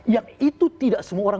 yang itu tidak semua orang